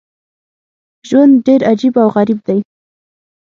ژوند ډېر عجیب او غریب دی.